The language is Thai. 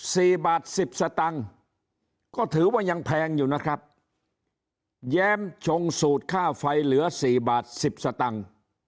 สี่บาทสิบสตังค์ก็ถือว่ายังแพงอยู่นะครับแย้มชงสูตรค่าไฟเหลือสี่บาทสิบสตังค์